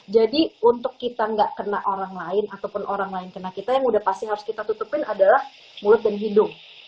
jadi untuk kita nggak kena orang lain ataupun orang lain kena kita yang udah pasti harus kita tutupin adalah mulut dan hidung